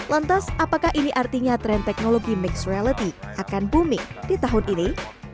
lantas apakah ini artinya tren teknologi mixed reality akan booming di tahun ini